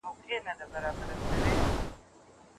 پرون يوه څېړونکي نوی حقيقت کشف کړ.